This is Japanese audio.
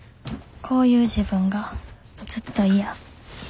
こういう自分がずっと嫌。